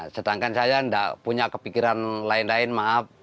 sedangkan saya tidak punya kepikiran lain lain maaf